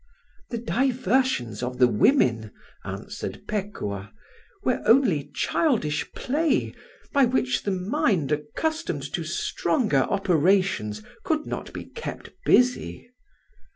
"The diversions of the women," answered Pekuah, "were only childish play, by which the mind accustomed to stronger operations could not be kept busy.